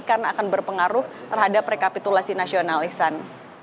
karena akan berpengaruh terhadap rekapitulasi nasionalisan